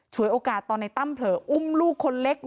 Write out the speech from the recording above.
โอกาสตอนในตั้มเผลออุ้มลูกคนเล็ก